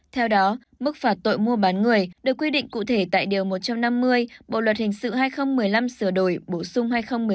theo đó mức phạt tội mua bán người được quy định cụ thể tại điều một trăm năm mươi bộ luật hình sự hai nghìn một mươi năm sửa đổi bổ sung hai nghìn một mươi bảy